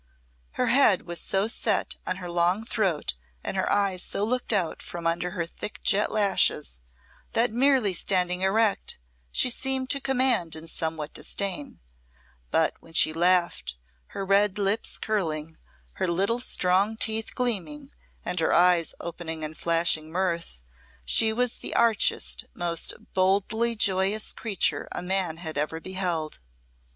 Her head was set so on her long throat and her eyes so looked out from under her thick jet lashes, that in merely standing erect she seemed to command and somewhat disdain; but when she laughed, her red lips curling, her little strong teeth gleaming, and her eyes opening and flashing mirth, she was the archest, most boldly joyous creature a man had ever beheld.